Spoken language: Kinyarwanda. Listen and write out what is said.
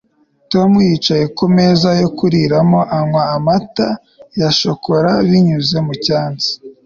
tom yicaye ku meza yo kuriramo, anywa amata ya shokora binyuze mu cyatsi